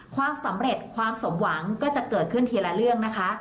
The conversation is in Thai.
ความสำเร็จความสมหวังก็จะเกิดขึ้นทีละเรื่องนะคะ